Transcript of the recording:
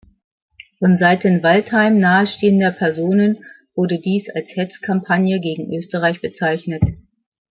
Von Seiten Waldheim nahestehender Personen wurde dies als „Hetzkampagne“ gegen Österreich bezeichnet.